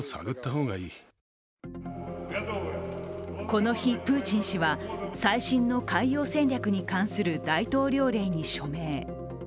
この日、プーチン氏は最新の海洋戦略に関する大統領令に署名。